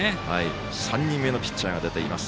３人目のピッチャーが出ています。